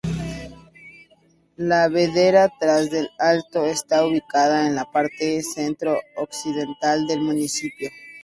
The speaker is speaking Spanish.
La vereda Tras del Alto está ubicada en la parte centro occidental del municipio.